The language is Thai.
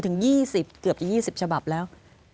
กระทึง๒๐เกือบ๒๐ฉบับแล้ว